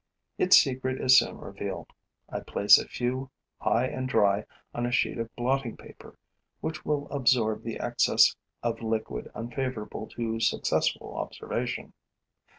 Its secret is soon revealed. I place a few high and dry on a sheet of blotting paper, which will absorb the excess of liquid unfavorable to successful observation.